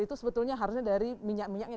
itu sebetulnya harusnya dari minyak minyaknya